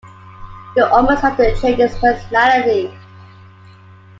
You almost have to change his personality.